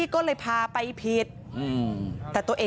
กลับมารับทราบ